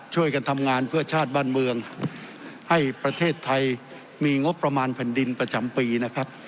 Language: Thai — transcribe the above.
ช่วยกันทำงานเพื่อชาติบ้านเมืองให้ประเทศไทยมีงบประมาณแผ่นดินประจำปีนะครับ